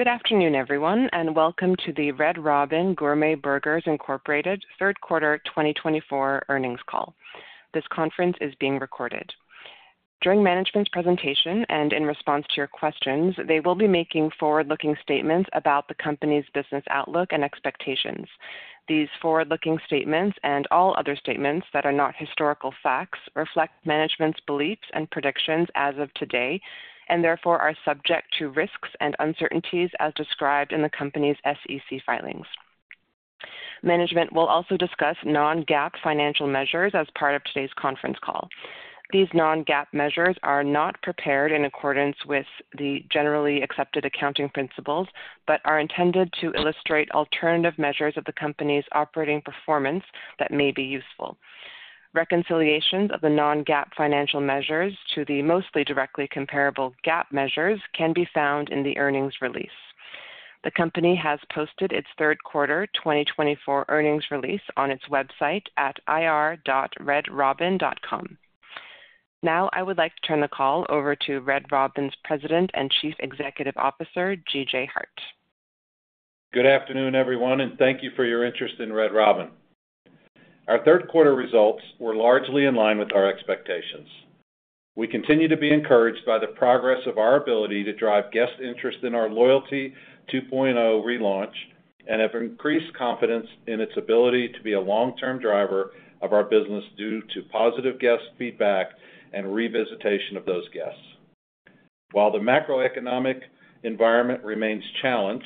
Good afternoon, everyone, and welcome to the Red Robin Gourmet Burgers Incorporated Third Quarter 2024 Earnings Call. This conference is being recorded. During management's presentation and in response to your questions, they will be making forward-looking statements about the company's business outlook and expectations. These forward-looking statements and all other statements that are not historical facts reflect management's beliefs and predictions as of today and therefore are subject to risks and uncertainties as described in the company's SEC filings. Management will also discuss non-GAAP financial measures as part of today's conference call. These non-GAAP measures are not prepared in accordance with the generally accepted accounting principles but are intended to illustrate alternative measures of the company's operating performance that may be useful. Reconciliations of the non-GAAP financial measures to the most directly comparable GAAP measures can be found in the earnings release. The company has posted its Third Quarter 2024 Earnings release on its website at ir.redrobin.com. Now, I would like to turn the call over to Red Robin's President and Chief Executive Officer, G.J. Hart. Good afternoon, everyone, and thank you for your interest in Red Robin. Our third quarter results were largely in line with our expectations. We continue to be encouraged by the progress of our ability to drive guest interest in our Loyalty 2.0 relaunch and have increased confidence in its ability to be a long-term driver of our business due to positive guest feedback and revisitation of those guests. While the macroeconomic environment remains challenged,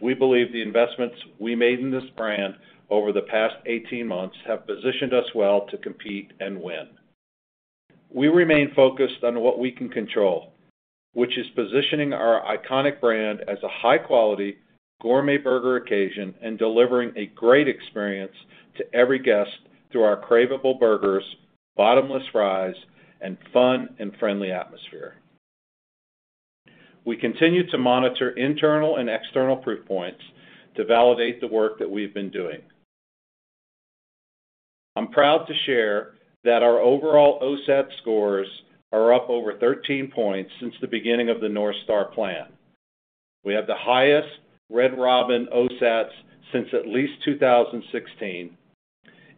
we believe the investments we made in this brand over the past 18 months have positioned us well to compete and win. We remain focused on what we can control, which is positioning our iconic brand as a high-quality gourmet burger occasion and delivering a great experience to every guest through our craveable burgers, bottomless fries, and fun and friendly atmosphere. We continue to monitor internal and external proof points to validate the work that we've been doing. I'm proud to share that our overall OSAT scores are up over 13 points since the beginning of the North Star Plan. We have the highest Red Robin OSATs since at least 2016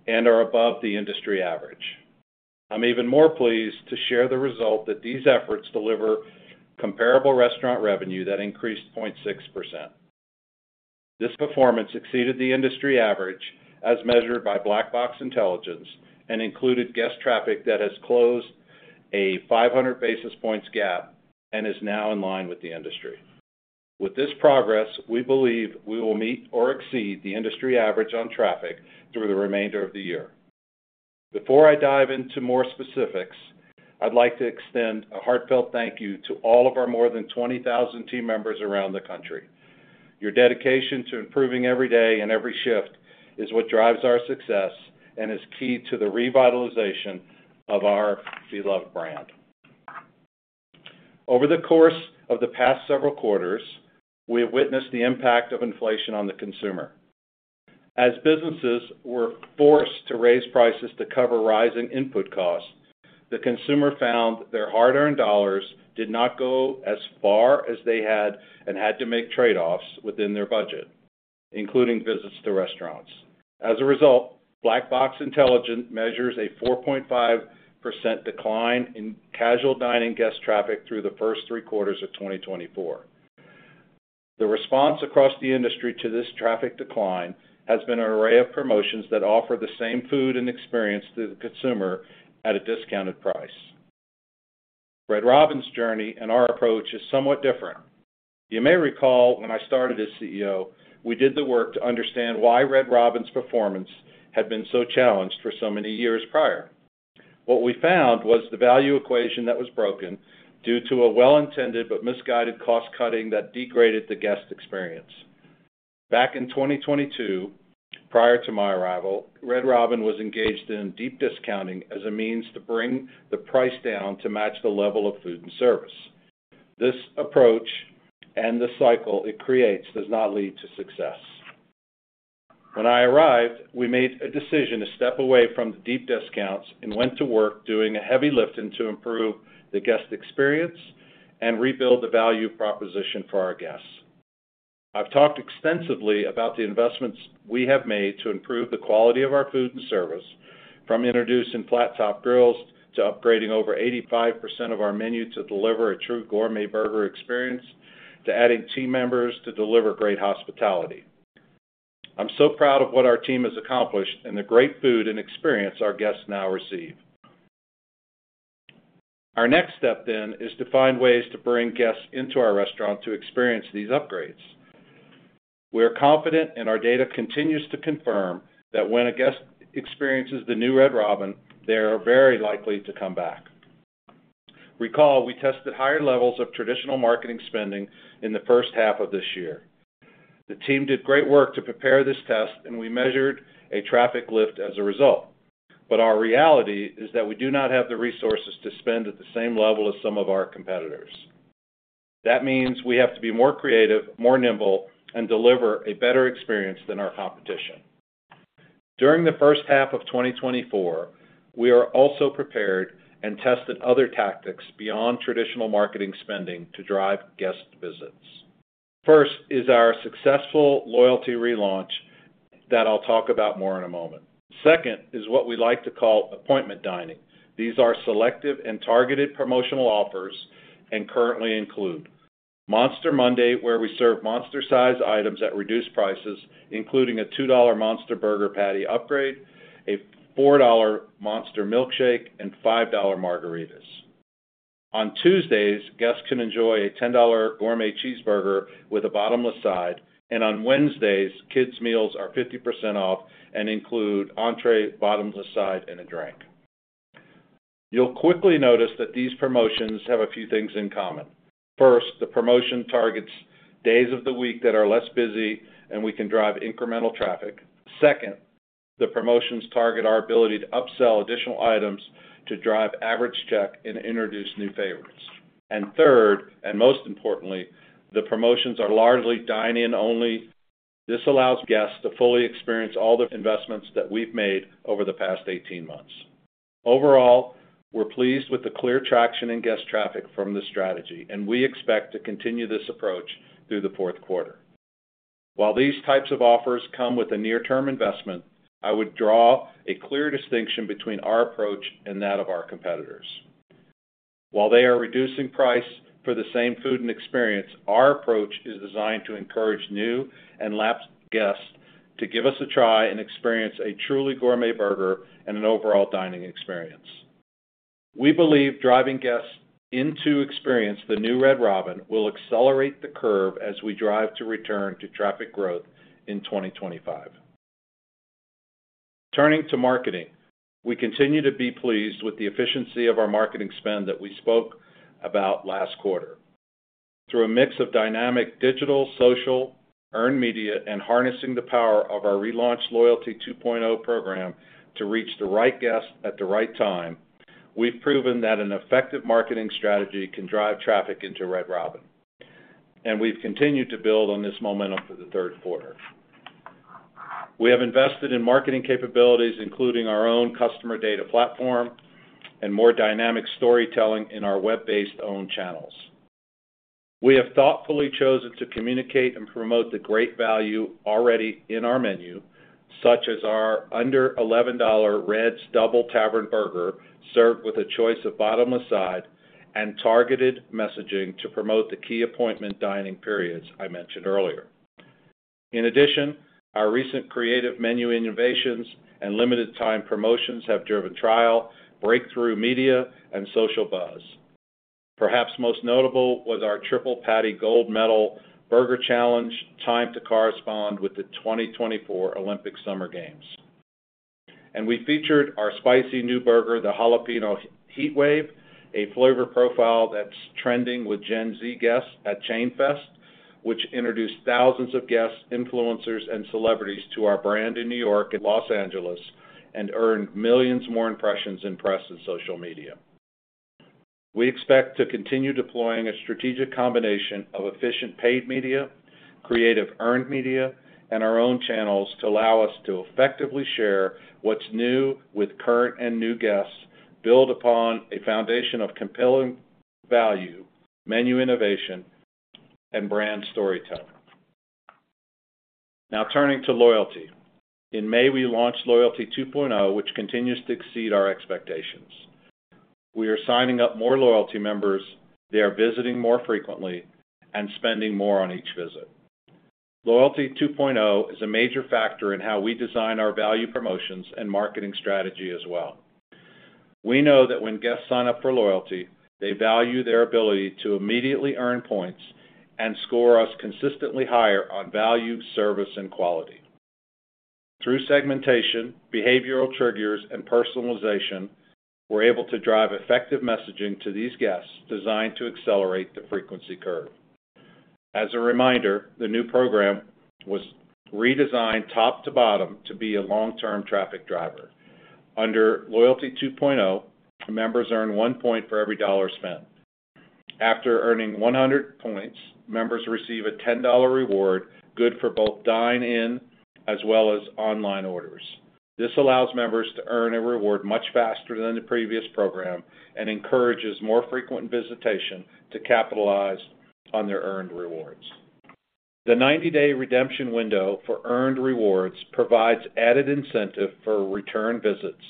and are above the industry average. I'm even more pleased to share the result that these efforts deliver comparable restaurant revenue that increased 0.6%. This performance exceeded the industry average as measured by Black Box Intelligence and included guest traffic that has closed a 500 basis points gap and is now in line with the industry. With this progress, we believe we will meet or exceed the industry average on traffic through the remainder of the year. Before I dive into more specifics, I'd like to extend a heartfelt thank you to all of our more than 20,000 team members around the country. Your dedication to improving every day and every shift is what drives our success and is key to the revitalization of our beloved brand. Over the course of the past several quarters, we have witnessed the impact of inflation on the consumer. As businesses were forced to raise prices to cover rising input costs, the consumer found their hard-earned dollars did not go as far as they had and had to make trade-offs within their budget, including visits to restaurants. As a result, Black Box Intelligence measures a 4.5% decline in casual dining guest traffic through the first three quarters of 2024. The response across the industry to this traffic decline has been an array of promotions that offer the same food and experience to the consumer at a discounted price. Red Robin's journey and our approach is somewhat different. You may recall when I started as CEO, we did the work to understand why Red Robin's performance had been so challenged for so many years prior. What we found was the value equation that was broken due to a well-intended but misguided cost cutting that degraded the guest experience. Back in 2022, prior to my arrival, Red Robin was engaged in deep discounting as a means to bring the price down to match the level of food and service. This approach and the cycle it creates does not lead to success. When I arrived, we made a decision to step away from the deep discounts and went to work doing the heavy lifting to improve the guest experience and rebuild the value proposition for our guests. I've talked extensively about the investments we have made to improve the quality of our food and service, from introducing flat-top grills to upgrading over 85% of our menu to deliver a true gourmet burger experience, to adding team members to deliver great hospitality. I'm so proud of what our team has accomplished and the great food and experience our guests now receive. Our next step, then, is to find ways to bring guests into our restaurant to experience these upgrades. We are confident, and our data continues to confirm that when a guest experiences the new Red Robin, they are very likely to come back. Recall, we tested higher levels of traditional marketing spending in the first half of this year. The team did great work to prepare this test, and we measured a traffic lift as a result. But our reality is that we do not have the resources to spend at the same level as some of our competitors. That means we have to be more creative, more nimble, and deliver a better experience than our competition. During the first half of 2024, we are also prepared and tested other tactics beyond traditional marketing spending to drive guest visits. First is our successful loyalty relaunch that I'll talk about more in a moment. Second is what we like to call appointment dining. These are selective and targeted promotional offers and currently include Monster Monday, where we serve monster-sized items at reduced prices, including a $2 Monster Burger Patty upgrade, a $4 Monster Milkshake, and $5 Margaritas. On Tuesdays, guests can enjoy a $10 Gourmet Cheeseburger with a bottomless side, and on Wednesdays, kids' meals are 50% off and include entrée, bottomless side, and a drink. You'll quickly notice that these promotions have a few things in common. First, the promotion targets days of the week that are less busy, and we can drive incremental traffic. Second, the promotions target our ability to upsell additional items to drive average check and introduce new favorites. And third, and most importantly, the promotions are largely dine-in only. This allows guests to fully experience all the investments that we've made over the past 18 months. Overall, we're pleased with the clear traction in guest traffic from this strategy, and we expect to continue this approach through the fourth quarter. While these types of offers come with a near-term investment, I would draw a clear distinction between our approach and that of our competitors. While they are reducing price for the same food and experience, our approach is designed to encourage new and lapsed guests to give us a try and experience a truly gourmet burger and an overall dining experience. We believe driving guests in to experience the new Red Robin will accelerate the curve as we drive to return to traffic growth in 2025. Turning to marketing, we continue to be pleased with the efficiency of our marketing spend that we spoke about last quarter. Through a mix of dynamic digital, social, earned media, and harnessing the power of our relaunched Loyalty 2.0 program to reach the right guest at the right time, we've proven that an effective marketing strategy can drive traffic into Red Robin, and we've continued to build on this momentum for the third quarter. We have invested in marketing capabilities, including our own customer data platform and more dynamic storytelling in our web-based own channels. We have thoughtfully chosen to communicate and promote the great value already in our menu, such as our under $11 Red's Double Tavern Burger served with a choice of bottomless side and targeted messaging to promote the key appointment dining periods I mentioned earlier. In addition, our recent creative menu innovations and limited-time promotions have driven trial, breakthrough media, and social buzz. Perhaps most notable was our Triple Patty Gold Medal Burger Challenge timed to correspond with the 2024 Olympic Summer Games, and we featured our spicy new burger, the Jalapeño Heatwave, a flavor profile that's trending with Gen Z guests at ChainFEST, which introduced thousands of guests, influencers, and celebrities to our brand in New York and Los Angeles and earned millions more impressions in press and social media. We expect to continue deploying a strategic combination of efficient paid media, creative earned media, and our own channels to allow us to effectively share what's new with current and new guests, build upon a foundation of compelling value, menu innovation, and brand storytelling. Now, turning to loyalty. In May, we launched Loyalty 2.0, which continues to exceed our expectations. We are signing up more loyalty members. They are visiting more frequently and spending more on each visit. Loyalty 2.0 is a major factor in how we design our value promotions and marketing strategy as well. We know that when guests sign up for loyalty, they value their ability to immediately earn points and score us consistently higher on value, service, and quality. Through segmentation, behavioral triggers, and personalization, we're able to drive effective messaging to these guests designed to accelerate the frequency curve. As a reminder, the new program was redesigned top to bottom to be a long-term traffic driver. Under Loyalty 2.0, members earn one point for every dollar spent. After earning 100 points, members receive a $10 reward good for both dine-in as well as online orders. This allows members to earn a reward much faster than the previous program and encourages more frequent visitation to capitalize on their earned rewards. The 90-day redemption window for earned rewards provides added incentive for return visits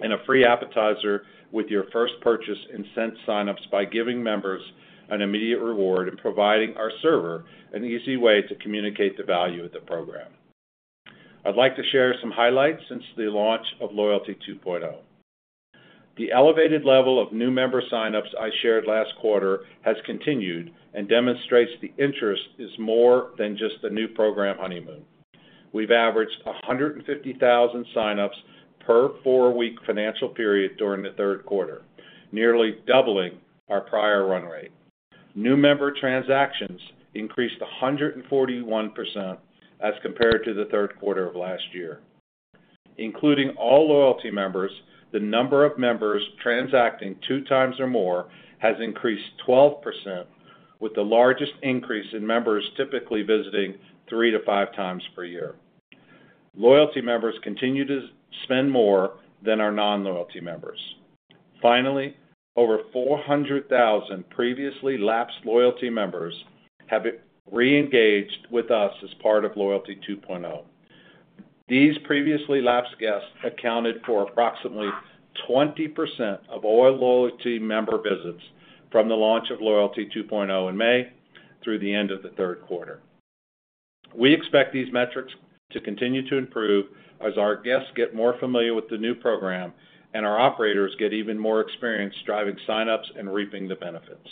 and a free appetizer with your first purchase and incentivizes new signups by giving members an immediate reward and providing our server an easy way to communicate the value of the program. I'd like to share some highlights since the launch of Loyalty 2.0. The elevated level of new member signups I shared last quarter has continued and demonstrates the interest is more than just the new program honeymoon. We've averaged 150,000 signups per four-week financial period during the third quarter, nearly doubling our prior run rate. New member transactions increased 141% as compared to the third quarter of last year. Including all loyalty members, the number of members transacting two times or more has increased 12%, with the largest increase in members typically visiting three to five times per year. Loyalty members continue to spend more than our non-loyalty members. Finally, over 400,000 previously lapsed loyalty members have re-engaged with us as part of Loyalty 2.0. These previously lapsed guests accounted for approximately 20% of all loyalty member visits from the launch of Loyalty 2.0 in May through the end of the third quarter. We expect these metrics to continue to improve as our guests get more familiar with the new program and our operators get even more experience driving signups and reaping the benefits.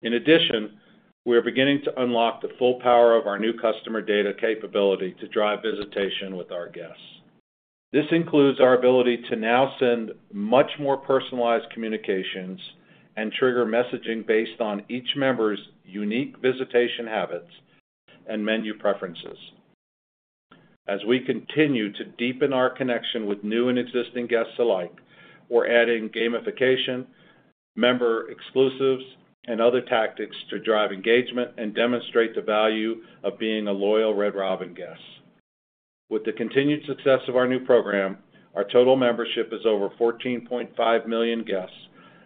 In addition, we are beginning to unlock the full power of our new customer data capability to drive visitation with our guests. This includes our ability to now send much more personalized communications and trigger messaging based on each member's unique visitation habits and menu preferences. As we continue to deepen our connection with new and existing guests alike, we're adding gamification, member exclusives, and other tactics to drive engagement and demonstrate the value of being a loyal Red Robin guest. With the continued success of our new program, our total membership is over 14.5 million guests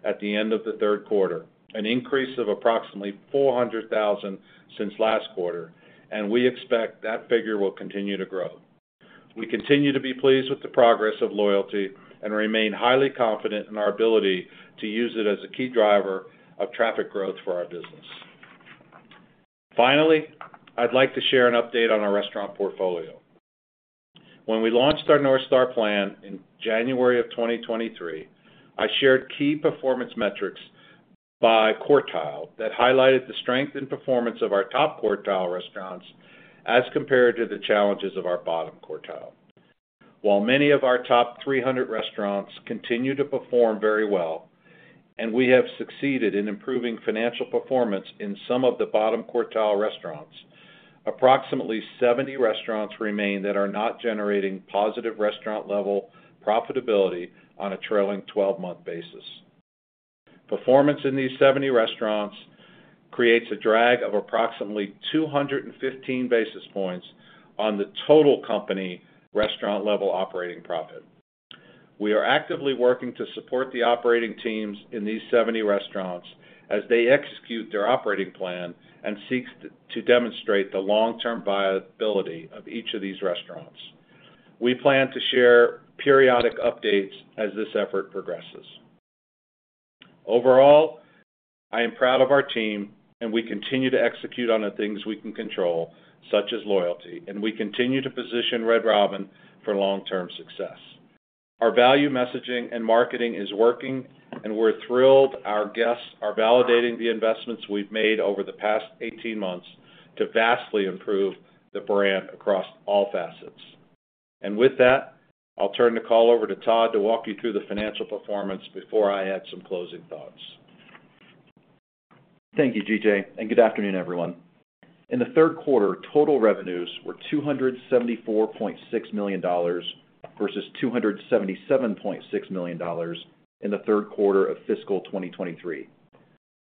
at the end of the third quarter, an increase of approximately 400,000 since last quarter, and we expect that figure will continue to grow. We continue to be pleased with the progress of loyalty and remain highly confident in our ability to use it as a key driver of traffic growth for our business. Finally, I'd like to share an update on our restaurant portfolio. When we launched our North Star plan in January of 2023, I shared key performance metrics by quartile that highlighted the strength and performance of our top quartile restaurants as compared to the challenges of our bottom quartile. While many of our top 300 restaurants continue to perform very well, and we have succeeded in improving financial performance in some of the bottom quartile restaurants, approximately 70 restaurants remain that are not generating positive restaurant-level profitability on a trailing 12-month basis. Performance in these 70 restaurants creates a drag of approximately 215 basis points on the total company restaurant-level operating profit. We are actively working to support the operating teams in these 70 restaurants as they execute their operating plan and seek to demonstrate the long-term viability of each of these restaurants. We plan to share periodic updates as this effort progresses. Overall, I am proud of our team, and we continue to execute on the things we can control, such as loyalty, and we continue to position Red Robin for long-term success. Our value messaging and marketing is working, and we're thrilled our guests are validating the investments we've made over the past 18 months to vastly improve the brand across all facets and with that, I'll turn the call over to Todd to walk you through the financial performance before I add some closing thoughts. Thank you, G.J., and good afternoon, everyone. In the third quarter, total revenues were $274.6 million versus $277.6 million in the third quarter of fiscal 2023.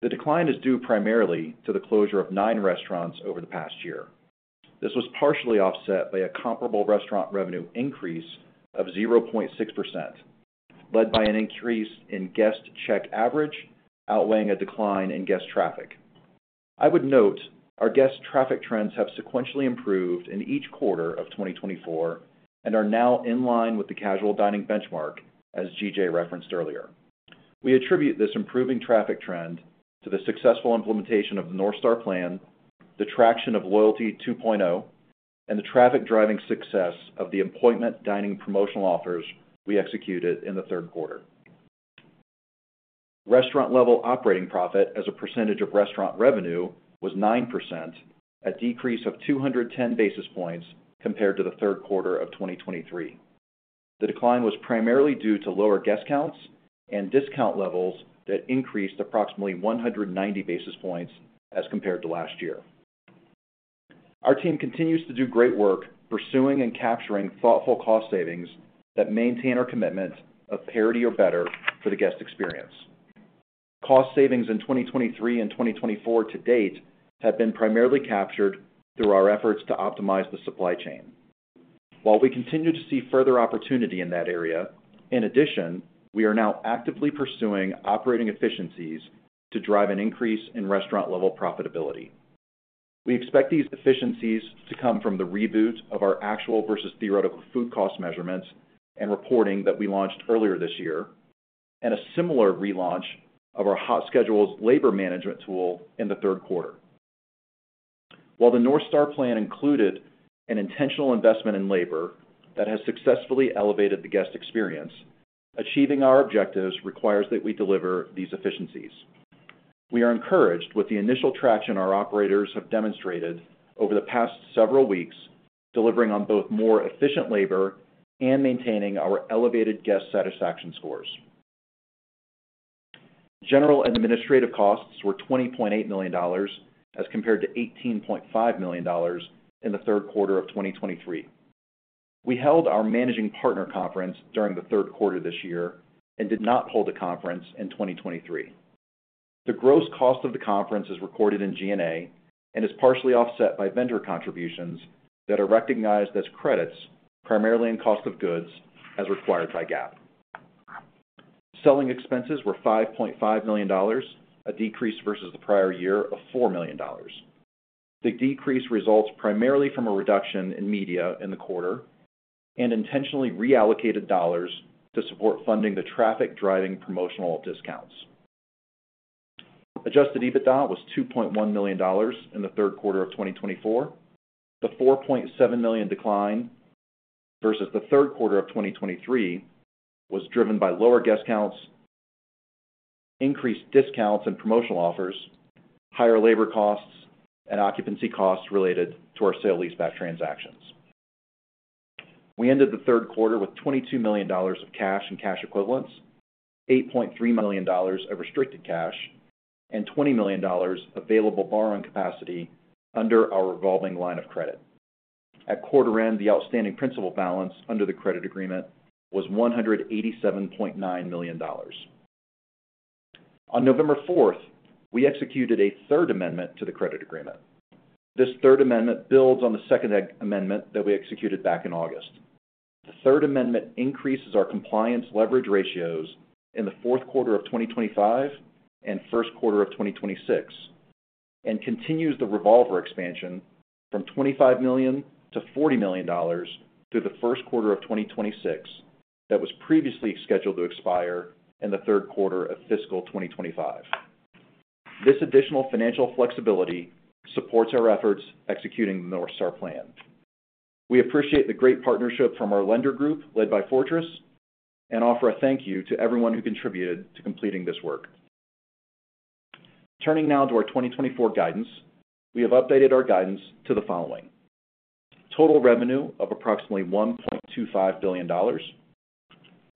The decline is due primarily to the closure of nine restaurants over the past year. This was partially offset by a comparable restaurant revenue increase of 0.6%, led by an increase in guest check average, outweighing a decline in guest traffic. I would note our guest traffic trends have sequentially improved in each quarter of 2024 and are now in line with the casual dining benchmark, as G.J. referenced earlier. We attribute this improving traffic trend to the successful implementation of the North Star plan, the traction of Loyalty 2.0, and the traffic-driving success of the appointment dining promotional offers we executed in the third quarter. Restaurant-level operating profit as a percentage of restaurant revenue was 9%, a decrease of 210 basis points compared to the third quarter of 2023. The decline was primarily due to lower guest counts and discount levels that increased approximately 190 basis points as compared to last year. Our team continues to do great work pursuing and capturing thoughtful cost savings that maintain our commitment of parity or better for the guest experience. Cost savings in 2023 and 2024 to date have been primarily captured through our efforts to optimize the supply chain. While we continue to see further opportunity in that area, in addition, we are now actively pursuing operating efficiencies to drive an increase in restaurant-level profitability. We expect these efficiencies to come from the reboot of our actual versus theoretical food cost measurements and reporting that we launched earlier this year, and a similar relaunch of our HotSchedules labor management tool in the third quarter. While the North Star plan included an intentional investment in labor that has successfully elevated the guest experience, achieving our objectives requires that we deliver these efficiencies. We are encouraged with the initial traction our operators have demonstrated over the past several weeks, delivering on both more efficient labor and maintaining our elevated guest satisfaction scores. General and administrative costs were $20.8 million as compared to $18.5 million in the third quarter of 2023. We held our managing partner conference during the third quarter this year and did not hold a conference in 2023. The gross cost of the conference is recorded in G&A and is partially offset by vendor contributions that are recognized as credits, primarily in cost of goods, as required by GAAP. Selling expenses were $5.5 million, a decrease versus the prior year of $4 million. The decrease results primarily from a reduction in media in the quarter and intentionally reallocated dollars to support funding the traffic-driving promotional discounts. Adjusted EBITDA was $2.1 million in the third quarter of 2024. The $4.7 million decline versus the third quarter of 2023 was driven by lower guest counts, increased discounts and promotional offers, higher labor costs, and occupancy costs related to our sale-leaseback transactions. We ended the third quarter with $22 million of cash and cash equivalents, $8.3 million of restricted cash, and $20 million of available borrowing capacity under our revolving line of credit. At quarter end, the outstanding principal balance under the credit agreement was $187.9 million. On November 4th, we executed a Third Amendment to the credit agreement. This Third Amendment builds on the Second Amendment that we executed back in August. The Third Amendment increases our compliance leverage ratios in the fourth quarter of 2025 and first quarter of 2026 and continues the revolver expansion from $25 million to $40 million through the first quarter of 2026 that was previously scheduled to expire in the third quarter of fiscal 2025. This additional financial flexibility supports our efforts executing the North Star plan. We appreciate the great partnership from our lender group led by Fortress and offer a thank you to everyone who contributed to completing this work. Turning now to our 2024 guidance, we have updated our guidance to the following: total revenue of approximately $1.25 billion,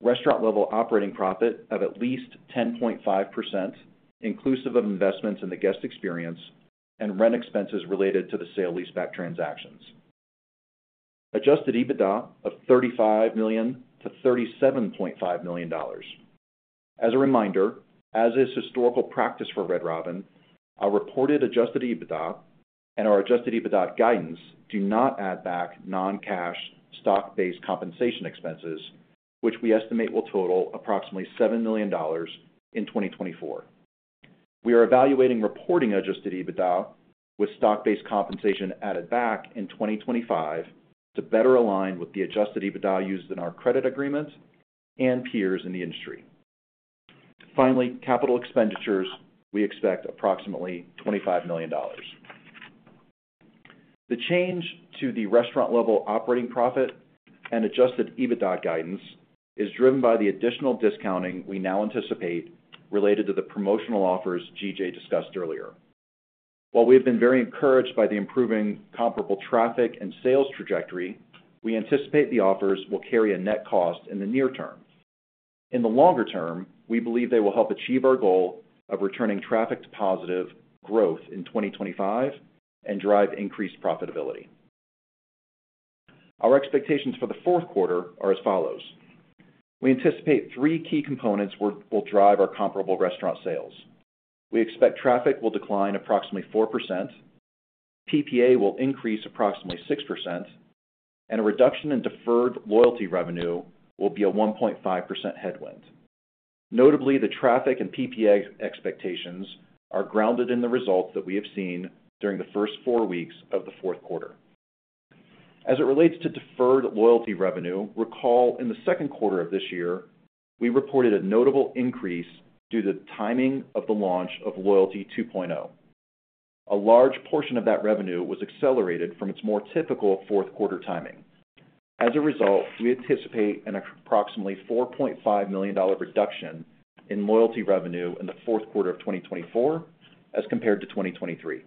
restaurant-level operating profit of at least 10.5%, inclusive of investments in the guest experience and rent expenses related to the sale-leaseback transactions, adjusted EBITDA of $35 million-$37.5 million. As a reminder, as is historical practice for Red Robin, our reported adjusted EBITDA and our adjusted EBITDA guidance do not add back non-cash stock-based compensation expenses, which we estimate will total approximately $7 million in 2024. We are evaluating reporting adjusted EBITDA with stock-based compensation added back in 2025 to better align with the adjusted EBITDA used in our credit agreement and peers in the industry. Finally, capital expenditures, we expect approximately $25 million. The change to the restaurant-level operating profit and adjusted EBITDA guidance is driven by the additional discounting we now anticipate related to the promotional offers G.J. discussed earlier. While we have been very encouraged by the improving comparable traffic and sales trajectory, we anticipate the offers will carry a net cost in the near term. In the longer term, we believe they will help achieve our goal of returning traffic-positive growth in 2025 and drive increased profitability. Our expectations for the fourth quarter are as follows. We anticipate three key components will drive our comparable restaurant sales. We expect traffic will decline approximately 4%, PPA will increase approximately 6%, and a reduction in deferred loyalty revenue will be a 1.5% headwind. Notably, the traffic and PPA expectations are grounded in the results that we have seen during the first four weeks of the fourth quarter. As it relates to deferred loyalty revenue, recall in the second quarter of this year, we reported a notable increase due to the timing of the launch of Loyalty 2.0. A large portion of that revenue was accelerated from its more typical fourth quarter timing. As a result, we anticipate an approximately $4.5 million reduction in loyalty revenue in the fourth quarter of 2024 as compared to 2023.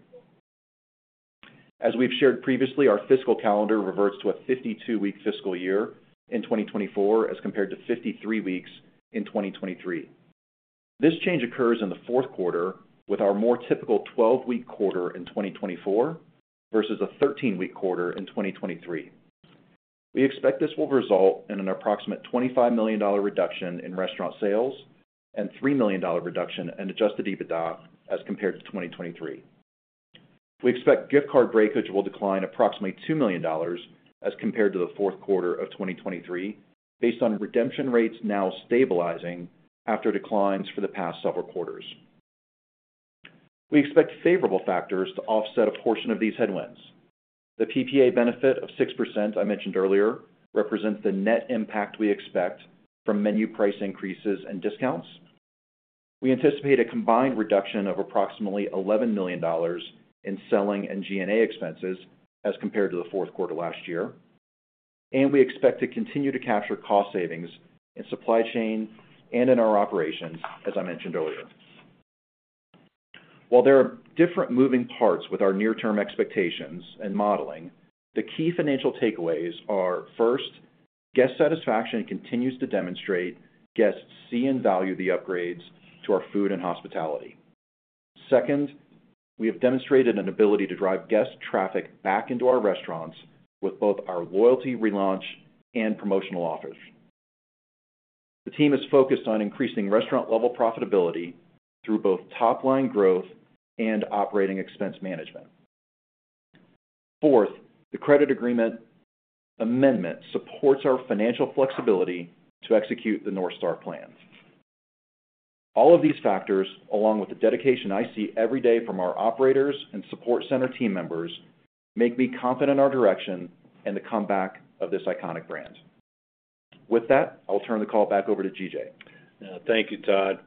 As we've shared previously, our fiscal calendar reverts to a 52-week fiscal year in 2024 as compared to 53 weeks in 2023. This change occurs in the fourth quarter with our more typical 12-week quarter in 2024 versus a 13-week quarter in 2023. We expect this will result in an approximate $25 million reduction in restaurant sales and $3 million reduction in Adjusted EBITDA as compared to 2023. We expect gift card breakage will decline approximately $2 million as compared to the fourth quarter of 2023, based on redemption rates now stabilizing after declines for the past several quarters. We expect favorable factors to offset a portion of these headwinds. The PPA benefit of 6% I mentioned earlier represents the net impact we expect from menu price increases and discounts. We anticipate a combined reduction of approximately $11 million in selling and G&A expenses as compared to the fourth quarter last year, and we expect to continue to capture cost savings in supply chain and in our operations, as I mentioned earlier. While there are different moving parts with our near-term expectations and modeling, the key financial takeaways are: first, guest satisfaction continues to demonstrate guests see and value the upgrades to our food and hospitality. Second, we have demonstrated an ability to drive guest traffic back into our restaurants with both our loyalty relaunch and promotional offers. The team is focused on increasing restaurant-level profitability through both top-line growth and operating expense management. Fourth, the credit agreement amendment supports our financial flexibility to execute the North Star plan. All of these factors, along with the dedication I see every day from our operators and support center team members, make me confident in our direction and the comeback of this iconic brand. With that, I'll turn the call back over to G.J. Thank you, Todd.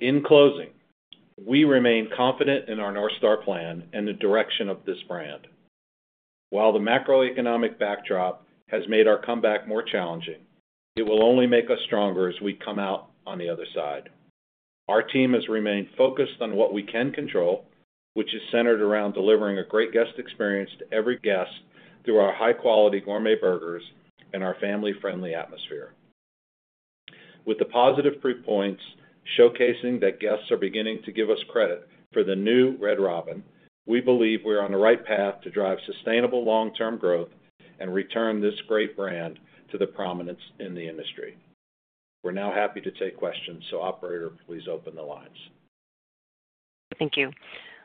In closing, we remain confident in our North Star plan and the direction of this brand. While the macroeconomic backdrop has made our comeback more challenging, it will only make us stronger as we come out on the other side. Our team has remained focused on what we can control, which is centered around delivering a great guest experience to every guest through our high-quality gourmet burgers and our family-friendly atmosphere. With the positive proof points showcasing that guests are beginning to give us credit for the new Red Robin, we believe we're on the right path to drive sustainable long-term growth and return this great brand to the prominence in the industry. We're now happy to take questions, so Operator, please open the lines. Thank you.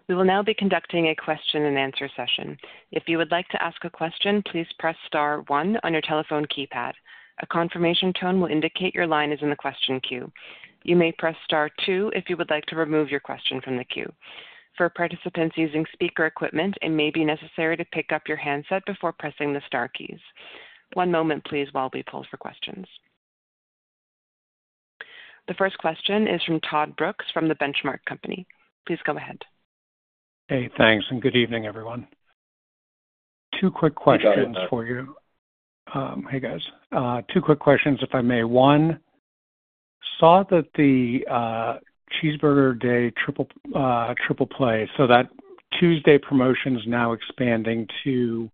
We will now be conducting a question-and-answer session. If you would like to ask a question, please press Star 1 on your telephone keypad. A confirmation tone will indicate your line is in the question queue. You may press Star 2 if you would like to remove your question from the queue. For participants using speaker equipment, it may be necessary to pick up your handset before pressing the Star keys. One moment, please, while we poll for questions. The first question is from Todd Brooks from The Benchmark Company. Please go ahead. Hey, thanks, and good evening, everyone. Two quick questions for you. Hey, guys. Two quick questions, if I may. One, saw that the Cheeseburger Day Triple Play, so that Tuesday promotion is now expanding to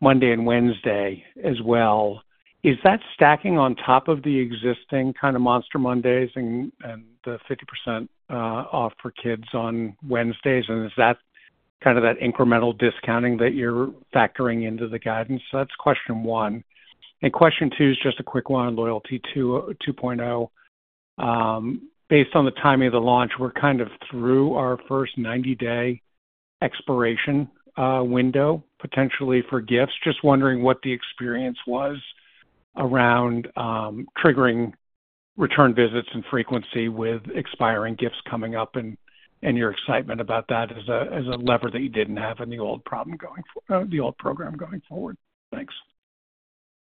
Monday and Wednesday as well. Is that stacking on top of the existing Monster Mondays and the 50% off for kids on Wednesdays? And is that incremental discounting that you're factoring into the guidance? So that's question one. And question two is just a quick one on Loyalty 2.0. Based on the timing of the launch, we're through our first 90-day expiration window potentially for gifts. Just wondering what the experience was around triggering return visits and frequency with expiring gifts coming up and your excitement about that as a lever that you didn't have in the old program going forward. Thanks.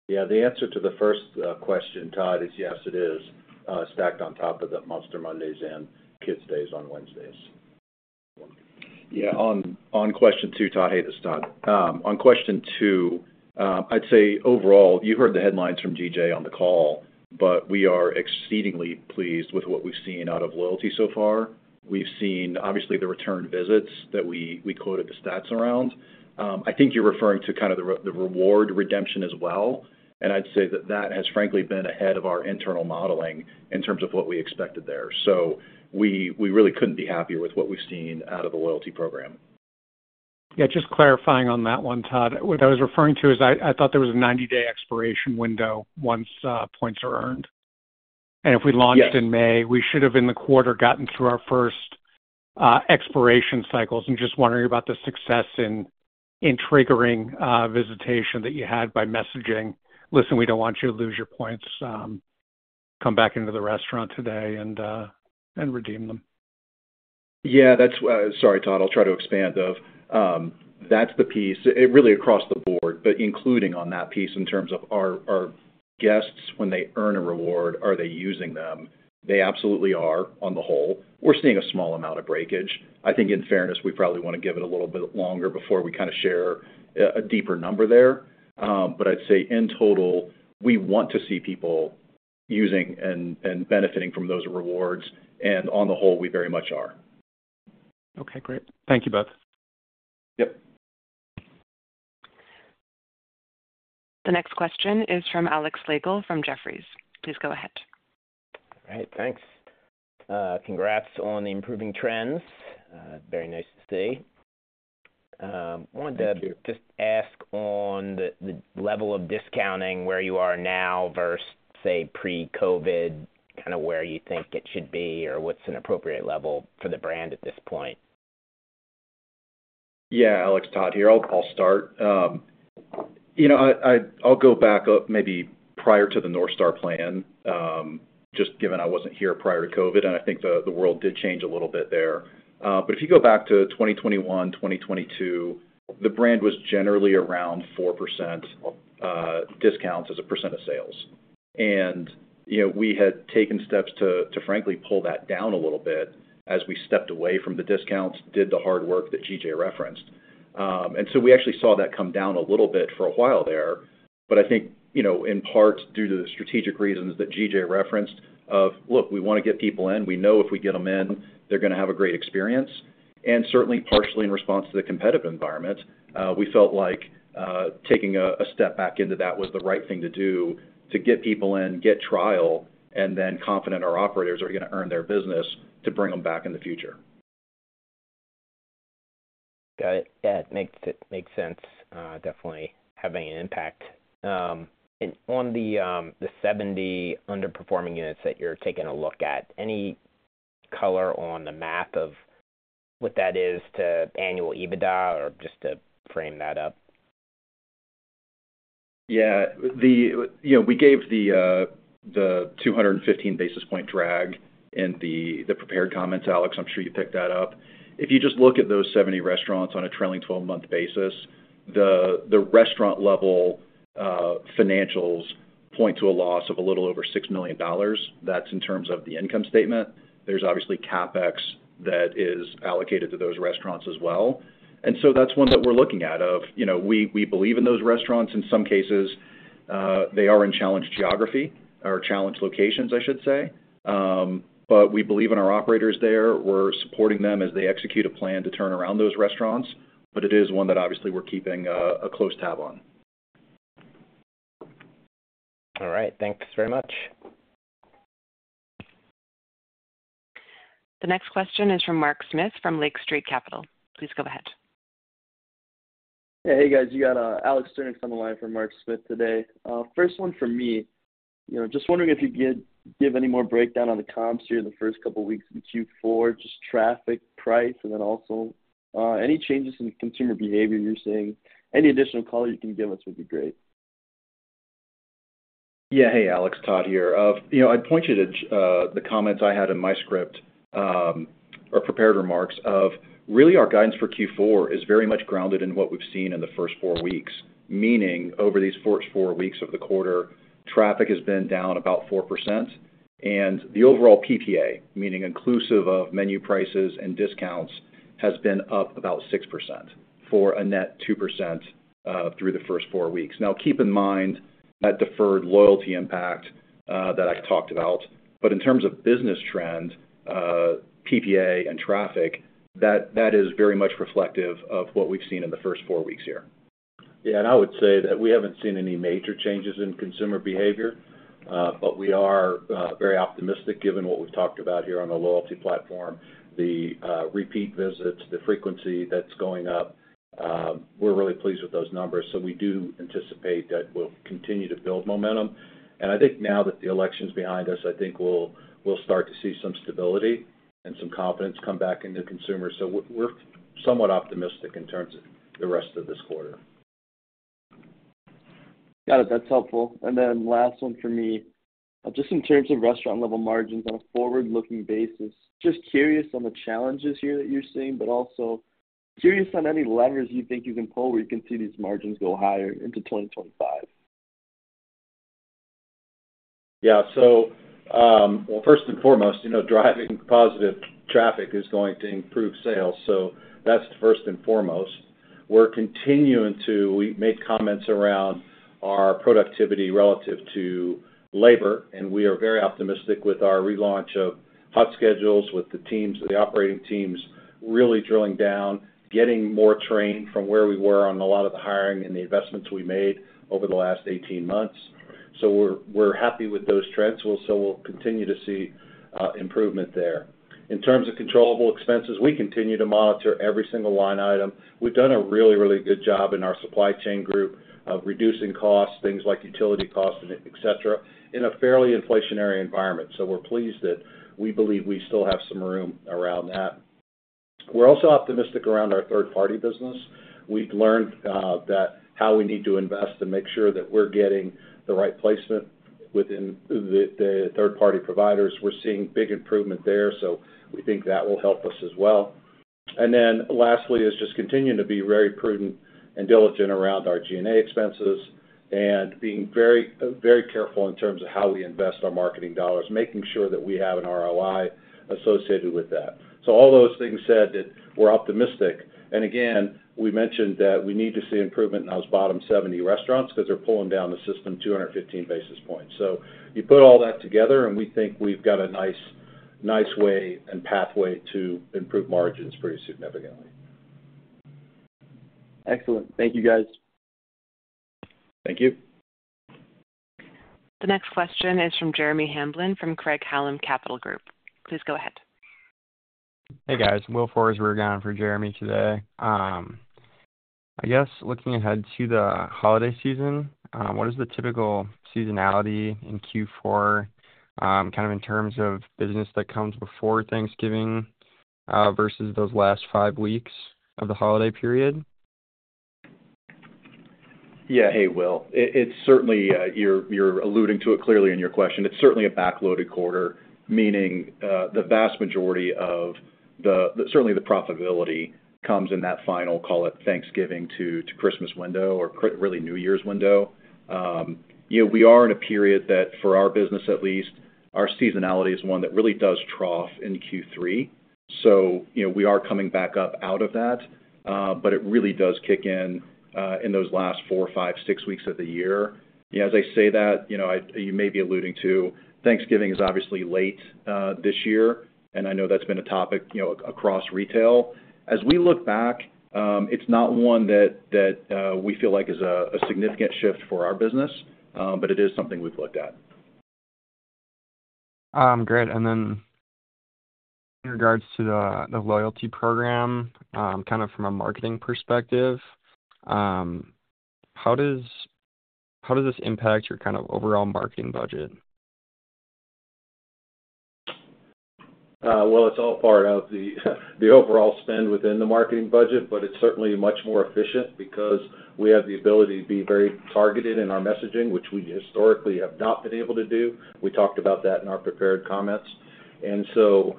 Yeah, the answer to the first question, Todd, is yes, it is stacked on top of the Monster Mondays and Kids Day on Wednesdays. Yeah, on question two, Todd hates us, Todd. On question two, I'd say overall, you heard the headlines from G.J. on the call, but we are exceedingly pleased with what we've seen out of loyalty so far. We've seen, obviously, the return visits that we quoted the stats around. I think you're referring to the reward redemption as well, and I'd say that that has, frankly, been ahead of our internal modeling in terms of what we expected there. We really couldn't be happier with what we've seen out of the loyalty program. Yeah, just clarifying on that one, Todd. What I was referring to is I thought there was a 90-day expiration window once points are earned. If we launched in May, we should have, in the quarter, gotten through our first expiration cycles. I'm just wondering about the success in triggering visitation that you had by messaging, "Listen, we don't want you to lose your points. Come back into the restaurant today and redeem them." Yeah, that's, sorry, Todd. I'll try to expand on. That's the piece. It's really across the board, but including on that piece in terms of our guests, when they earn a reward, are they using them? They absolutely are, on the whole. We're seeing a small amount of breakage. In fairness, we probably want to give it a little bit longer before we share a deeper number there. But I'd say, in total, we want to see people using and benefiting from those rewards. And on the whole, we very much are. Okay, great. Thank you both. The next question is from Alex Slagle from Jefferies. Please go ahead. All right, thanks. Congrats on the improving trends. Very nice to see. I wanted to just ask on the level of discounting where you are now versus, say, pre-COVID, where you think it should be or what's an appropriate level for the brand at this point. Yeah, Alex, Todd here. I'll start. I'll go back up maybe prior to the North Star plan, just given I wasn't here prior to COVID, and the world did change a little bit there. But if you go back to 2021, 2022, the brand was generally around 4% discounts as a % of sales. And we had taken steps to, frankly, pull that down a little bit as we stepped away from the discounts, did the hard work that G.J. referenced. And so we actually saw that come down a little bit for a while there. But, in part, due to the strategic reasons that G.J. referenced of, "Look, we want to get people in. We know if we get them in, they're going to have a great experience." And certainly, partially in response to the competitive environment, we felt like taking a step back into that was the right thing to do to get people in, get trial, and then confident our operators are going to earn their business to bring them back in the future. Got it. Yeah, it makes sense. Definitely having an impact. And on the 70 underperforming units that you're taking a look at, any color on the math of what that is to annual EBITDA or just to frame that up? Yeah. We gave the 215 basis points drag in the prepared comments, Alex. I'm sure you picked that up. If you just look at those 70 restaurants on a trailing 12-month basis, the restaurant-level financials point to a loss of a little over $6 million. That's in terms of the income statement. There's obviously CapEx that is allocated to those restaurants as well. And so that's one that we're looking at where we believe in those restaurants. In some cases, they are in challenged geography or challenged locations, I should say. But we believe in our operators there. We're supporting them as they execute a plan to turn around those restaurants. But it is one that, obviously, we're keeping a close tabs on. All right. Thanks very much. The next question is from Mark Smith from Lake Street Capital Markets. Please go ahead. Hey, guys. You got Alex Sturnieks on the line from Mark Smith today. First one for me. Just wondering if you could give any more breakdown on the comps during the first couple of weeks in Q4, just traffic, price, and then also any changes in consumer behavior you're seeing. Any additional color you can give us would be great. Yeah. Hey, Alex, Todd here. I pointed to the comments I had in my script or prepared remarks. Of really our guidance for Q4 is very much grounded in what we've seen in the first four weeks. Meaning, over these first four weeks of the quarter, traffic has been down about 4%. And the overall PPA, meaning inclusive of menu prices and discounts, has been up about 6% for a net 2% through the first four weeks. Now, keep in mind that deferred loyalty impact that I talked about. But in terms of business trend, PPA and traffic, that is very much reflective of what we've seen in the first four weeks here. Yeah. And I would say that we haven't seen any major changes in consumer behavior. But we are very optimistic given what we've talked about here on the loyalty platform, the repeat visits, the frequency that's going up. We're really pleased with those numbers. We do anticipate that we'll continue to build momentum. And I think now that the election's behind us, I think we'll start to see some stability and some confidence come back into consumers. We're somewhat optimistic in terms of the rest of this quarter. Got it. That's helpful. And then last one for me, just in terms of restaurant-level margins on a forward-looking basis. Just curious on the challenges here that you're seeing, but also curious on any levers you think you can pull where you can see these margins go higher into 2025. Yeah. Well, first and foremost, driving positive traffic is going to improve sales. That's first and foremost. We're continuing to make comments around our productivity relative to labor. And we are very optimistic with our relaunch of HotSchedules with the teams, the operating teams really drilling down, getting more trained from where we were on a lot of the hiring and the investments we made over the last 18 months. We're happy with those trends. We'll continue to see improvement there. In terms of controllable expenses, we continue to monitor every single line item. We've done a really, really good job in our supply chain group of reducing costs, things like utility costs, etc., in a fairly inflationary environment, so we're pleased that we believe we still have some room around that. We're also optimistic around our third-party business. We've learned how we need to invest to make sure that we're getting the right placement within the third-party providers. We're seeing big improvement there, so we think that will help us as well. Then lastly is just continuing to be very prudent and diligent around our G&A expenses and being very careful in terms of how we invest our marketing dollars, making sure that we have an ROI associated with that. All those things said, that we're optimistic. Again, we mentioned that we need to see improvement in those bottom 70 restaurants because they're pulling down the system 215 basis points. You put all that together, and we think we've got a nice way and pathway to improve margins pretty significantly. Excellent. Thank you, guys. Thank you. The next question is from Jeremy Hamblin from Craig-Hallum Capital Group. Please go ahead. Hey, guys. I'm Will Forsberg again for Jeremy today. Looking ahead to the holiday season, what is the typical seasonality in Q4 in terms of business that comes before Thanksgiving versus those last five weeks of the holiday period? Yeah. Hey, Will. You're alluding to it clearly in your question. It's certainly a backloaded quarter, meaning the vast majority of the, certainly, the profitability comes in that final, call it Thanksgiving to Christmas window or really New Year's window. We are in a period that, for our business at least, our seasonality is one that really does trough in Q3. We are coming back up out of that. But it really does kick in in those last four, five, six weeks of the year. As I say that, you may be alluding to Thanksgiving, which is obviously late this year. And I know that's been a topic across retail. As we look back, it's not one that we feel like is a significant shift for our business, but it is something we've looked at. Great. And then in regards to the loyalty program, from a marketing perspective, how does this impact your overall marketing budget? Well, it's all part of the overall spend within the marketing budget, but it's certainly much more efficient because we have the ability to be very targeted in our messaging, which we historically have not been able to do. We talked about that in our prepared comments. And so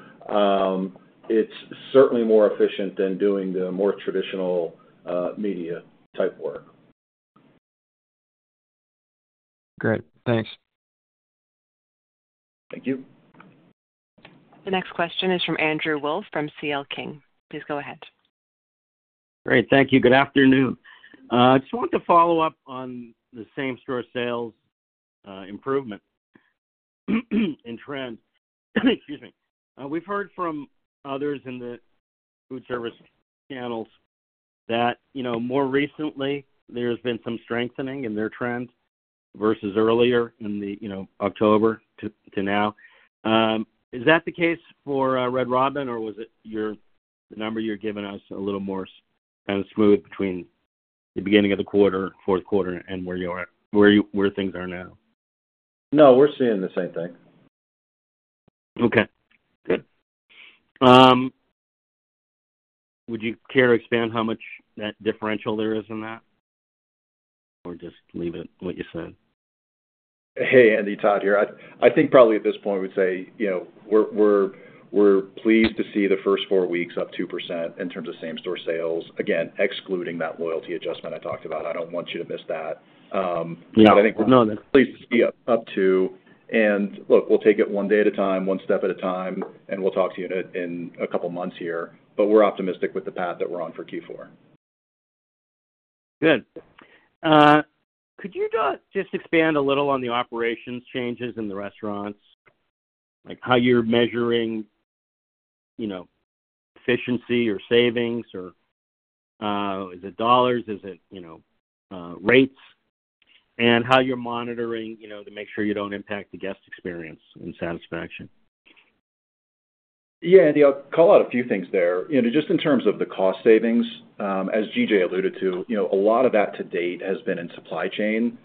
it's certainly more efficient than doing the more traditional media type work. Great. Thanks. Thank you. The next question is from Andrew Wolf from C.L. King. Please go ahead. Great. Thank you. Good afternoon. I just wanted to follow up on the same-store sales improvement in trend. Excuse me. We've heard from others in the food service channels that more recently, there has been some strengthening in their trend versus earlier in October to now. Is that the case for Red Robin, or was the number you're giving us a little more smooth between the beginning of the quarter, fourth quarter, and where things are now? No, we're seeing the same thing. Okay. Good. Would you care to expand how much that differential there is in that or just leave it what you said? Hey, Andy. Todd here. Probably at this point, we'd say we're pleased to see the first four weeks up 2% in terms of same-store sales. Again, excluding that loyalty adjustment I talked about. I don't want you to miss that. But we're pleased to see it up, too. Look, we'll take it one day at a time, one step at a time, and we'll talk to you in a couple of months here, but we're optimistic with the path that we're on for Q4. Good. Could you just expand a little on the operations changes in the restaurants, like how you're measuring efficiency or savings? Is it dollars? Is it rates? And how you're monitoring to make sure you don't impact the guest experience and satisfaction? Yeah. Andy, I'll call out a few things there. Just in terms of the cost savings, as G.J. alluded to, a lot of that to date has been in supply chain.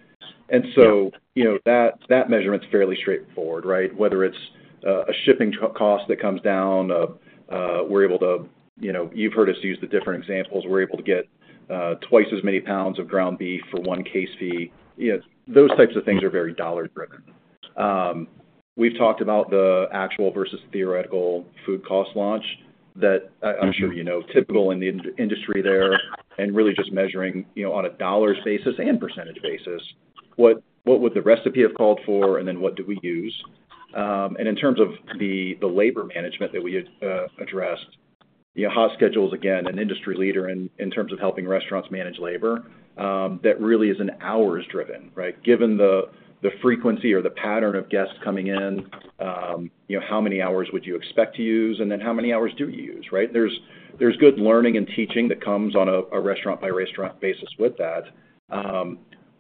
And so that measurement's fairly straightforward. Whether it's a shipping cost that comes down, we're able to, you've heard us use the different examples, we're able to get twice as many pounds of ground beef for one case fee. Those types of things are very dollar-driven. We've talked about the actual versus theoretical food cost launch that I'm sure you know is typical in the industry there and really just measuring on a dollars basis and percentage basis. What would the recipe have called for, and then what do we use? And in terms of the labor management that we addressed, HotSchedules is, again, an industry leader in terms of helping restaurants manage labor that really is an hours-driven. Given the frequency or the pattern of guests coming in, how many hours would you expect to use, and then how many hours do you use. There's good learning and teaching that comes on a restaurant-by-restaurant basis with that.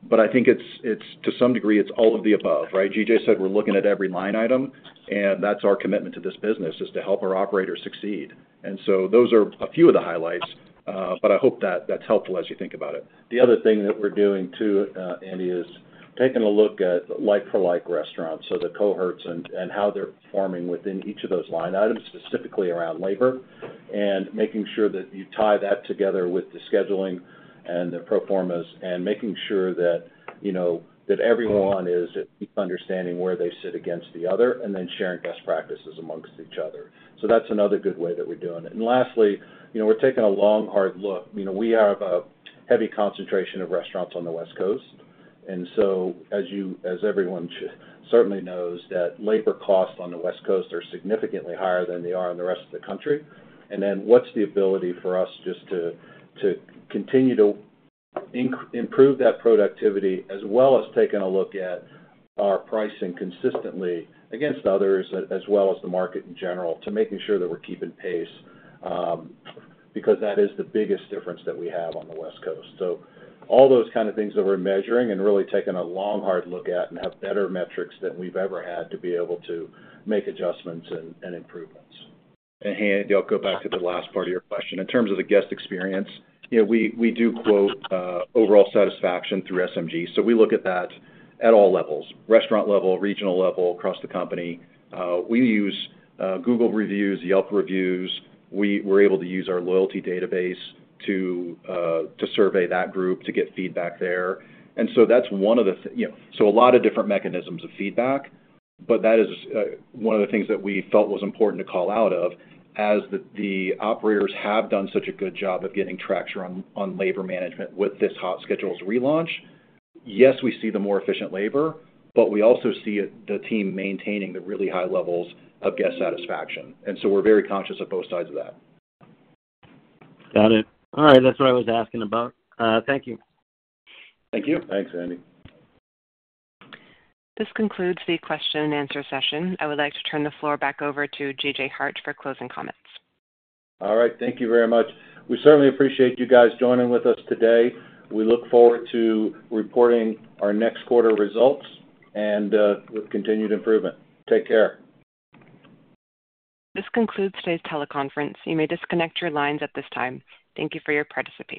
But to some degree, it's all of the above. G.J. said we're looking at every line item. And that's our commitment to this business is to help our operators succeed. And so those are a few of the highlights. But I hope that that's helpful as you think about it. The other thing that we're doing too, Andy, is taking a look at like-for-like restaurants, so the cohorts and how they're performing within each of those line items, specifically around labor, and making sure that you tie that together with the scheduling and the proformas and making sure that everyone is understanding where they sit against the other and then sharing best practices amongst each other. That's another good way that we're doing it. And lastly, we're taking a long, hard look. We have a heavy concentration of restaurants on the West Coast. And so, as everyone certainly knows, that labor costs on the West Coast are significantly higher than they are in the rest of the country. And then what's the ability for us just to continue to improve that productivity as well as taking a look at our pricing consistently against others as well as the market in general to making sure that we're keeping pace because that is the biggest difference that we have on the West Coast. All those things that we're measuring and really taking a long, hard look at and have better metrics than we've ever had to be able to make adjustments and improvements. And, hey, Andy, I'll go back to the last part of your question. In terms of the guest experience, we do quote overall satisfaction through SMG. We look at that at all levels: restaurant level, regional level, across the company. We use Google reviews, Yelp reviews. We're able to use our loyalty database to survey that group to get feedback there. And so that's one of the—so a lot of different mechanisms of feedback. But that is one of the things that we felt was important to call out, as the operators have done such a good job of getting traction on labor management with this HotSchedules relaunch. Yes, we see the more efficient labor, but we also see the team maintaining the really high levels of guest satisfaction. And so we're very conscious of both sides of that. Got it. All right. That's what I was asking about. Thank you. Thank you. Thanks, Andy. This concludes the question-and-answer session. I would like to turn the floor back over to G.J. Hart for closing comments. All right. Thank you very much. We certainly appreciate you guys joining with us today. We look forward to reporting our next quarter results and with continued improvement. Take care. This concludes today's teleconference. You may disconnect your lines at this time. Thank you for your participation.